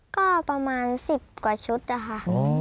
ก็ประมาณ๑๐กว่าชุดนะคะ